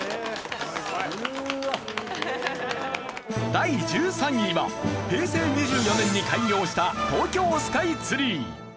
第１３位は平成２４年に開業した東京スカイツリー。